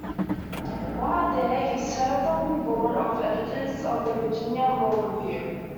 While there, he served on the board of editors of the "Virginia Law Review".